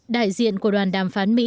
đại diện của đoàn đàm phán mỹ